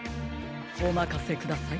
おまかせください。